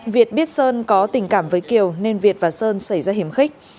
việc biết sơn có tình cảm với kiều nên việt và sơn xảy ra hiểm khích